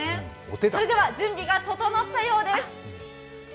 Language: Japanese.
それでは準備が整ったようです。